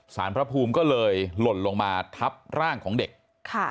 สารพระภูมิก็เลยหล่นลงมาทับร่างของเด็กค่ะ